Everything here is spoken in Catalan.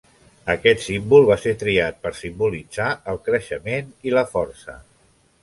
Aquest símbol va ser triat per simbolitzar el creixement i la força.